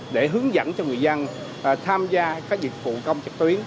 để hướng dẫn cho người dân tham gia các dịch vụ công trực tuyến